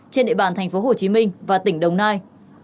trên địa bàn tp hcm và tỉnh đồng nai